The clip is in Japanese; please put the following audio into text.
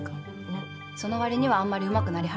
その割にはあんまりうまくなりはらへんけど。